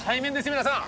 皆さん！